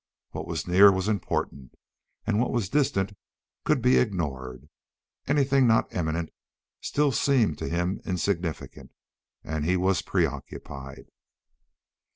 What was near was important and what was distant could be ignored. Anything not imminent still seemed to him insignificant and he was preoccupied.